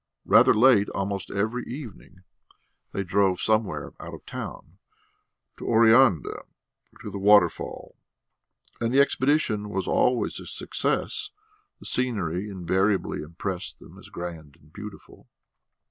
Rather late almost every evening they drove somewhere out of town, to Oreanda or to the waterfall; and the expedition was always a success, the scenery invariably impressed them as grand and beautiful.